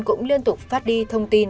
cũng liên tục phát đi thông tin